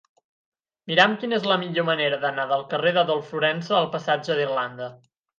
Mira'm quina és la millor manera d'anar del carrer d'Adolf Florensa al passatge d'Irlanda.